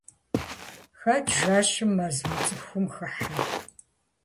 Хэт жэщым мэз мыцӀыхум хыхьэр?